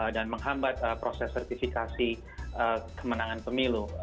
dan menghambat proses sertifikasi kemenangan pemilu